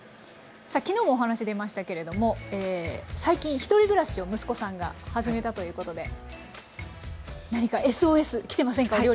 さあ昨日もお話出ましたけれども最近１人暮らしを息子さんが始めたということで何かＳＯＳ来てませんか？